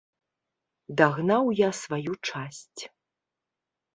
Дагнаў я сваю часць.